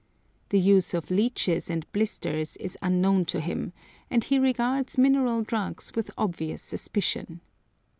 The use of leeches and blisters is unknown to him, and he regards mineral drugs with obvious suspicion.